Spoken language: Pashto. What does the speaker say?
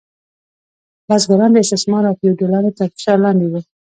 بزګران د استثمار او فیوډالانو تر فشار لاندې وو.